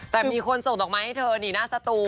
แต่มีคนส่งดอกไม้ให้เธอนี่หน้าสตู